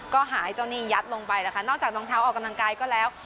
ก็หาไอ้เจ้าหนี้ยัดลงไปนะคะนอกจากรองเท้าออกกำลังกายก็แล้ว